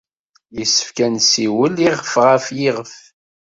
Yessefk ad nessiwel iɣef ɣer yiɣef.